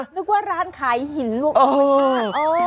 นึกว่าร้านขายหิน๙๕ปีใช้หรือเปล่าเออเอออ่ออ๋อโห